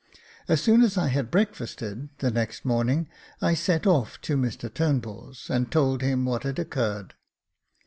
As soon as I had breakfasted the next morning, I set off to Mr Turnbull's, and told him what had occurred.